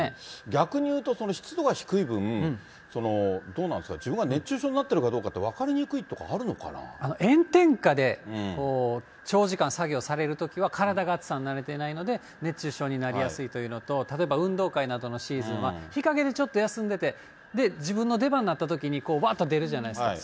逆に言うと、湿度が低い分、どうなんですか、自分は熱中症になってるかどうか、炎天下で、長時間作業されるときは、体が暑さに慣れてないので、熱中症になりやすいというのと、例えば運動会などのシーズンは、日陰でちょっと休んでて、自分の出番になったときに、わっと出るじゃないですか。